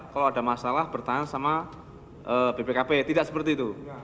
kalau ada masalah bertahan sama bpkp tidak seperti itu